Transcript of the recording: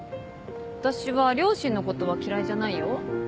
私は両親のことは嫌いじゃないよ。